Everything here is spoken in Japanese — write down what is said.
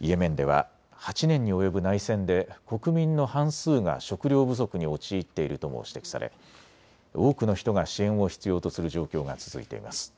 イエメンでは８年に及ぶ内戦で国民の半数が食料不足に陥っているとも指摘され、多くの人が支援を必要とする状況が続いています。